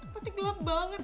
tapi gelap banget